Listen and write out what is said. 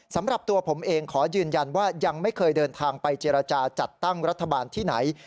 สำหรับตัวผมเองขอยืนยันว่ายังไม่เคยเดินทางไปเจรจาจัดตั้งรัฐบาลที่ไหน